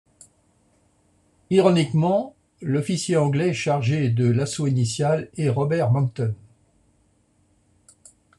Ironiquement, l'officier anglais chargé de l'assaut initial est Robert Monckton.